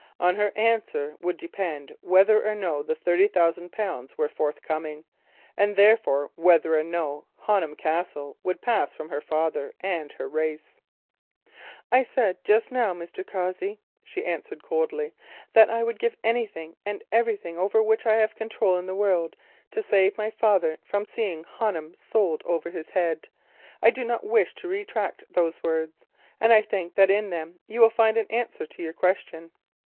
On her answer would depend whether or no the thirty thousand pounds were forthcoming, and therefore, whether or no Honham Castle would pass from her father and her race. "I said just now, Mr. Cossey," she answered coldly, "that I would give anything and everything over which I have control in the world, to save my father from seeing Honham sold over his head. I do not wish to retract those words, and I think that in them you will find an answer to your question."